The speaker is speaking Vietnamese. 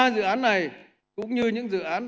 ba dự án này cũng như những dự án